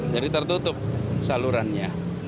jadi tertutup salurannya